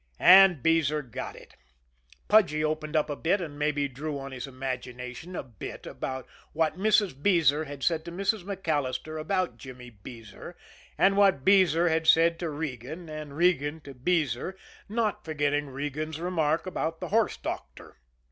And Beezer got it. Pudgy opened up a bit, and maybe drew on his imagination a bit about what Mrs. Beezer had said to Mrs. MacAllister about Jimmy Beezer, and what Beezer had said to Regan, and Regan to Beezer, not forgetting Regan's remark about the horse doctor.